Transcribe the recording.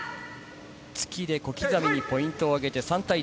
突きで小刻みにポイントを上げて３対１。